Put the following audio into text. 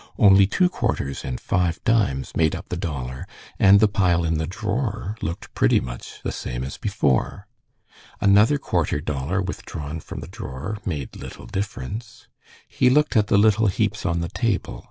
Only two quarters and five dimes made up the dollar, and the pile in the drawer looked pretty much the same as before. Another quarter dollar withdrawn from the drawer made little difference. He looked at the little heaps on the table.